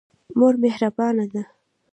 مور مهربانه ده.